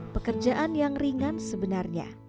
pekerjaan yang ringan sebenarnya